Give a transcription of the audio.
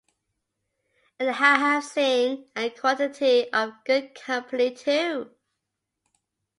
And I have seen a quantity of good company too!